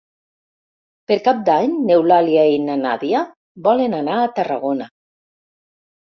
Per Cap d'Any n'Eulàlia i na Nàdia volen anar a Tarragona.